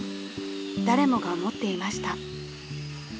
［誰もが思っていました］